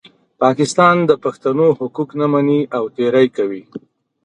پاکستان د پښتنو حقوق نه مني او تېری کوي.